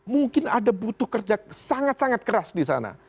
mungkin ada butuh kerja sangat sangat keras di sana